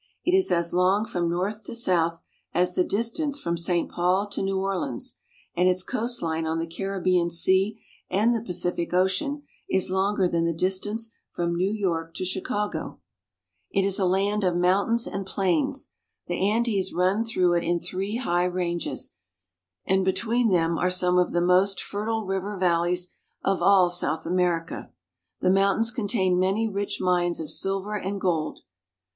It is as long from north to south as the dis tance from St. Paul to New Orleans, and its coast line on the Caribbean Sea and the Pacific Ocean is longer than the distance from New York to Chicago. 32 COLOMBIA. It is a land of mountains and plains. The Andes run through it in three high ranges, and between them are some of the most fertile river valleys of all South America. The mountains contain many rich mines of silver and gold.